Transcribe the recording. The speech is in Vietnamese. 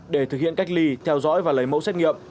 để thực hiện cách ly theo dõi và lấy mẫu xét nghiệm